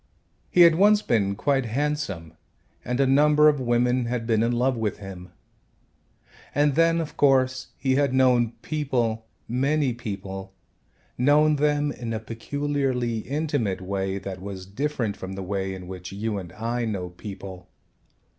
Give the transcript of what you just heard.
He had once been quite handsome and a number of women had been in love with him. And then, of course, he had known people, many people, known them in a peculiarly intimate way that was different from the way in which you and I know people.